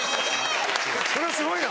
それすごいな。